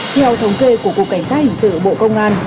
theo thống kê của cục cảnh sát hình sự bộ công an